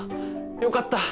よかった。